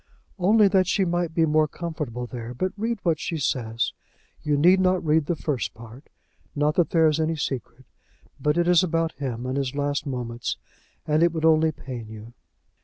"Only that she might be more comfortable there. But read what she says. You need not read the first part. Not that there is any secret; but it is about him and his last moments, and it would only pain you."